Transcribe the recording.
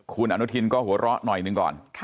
คุณอนุทินก็หัวเราะหน่อยหนึ่งก่อน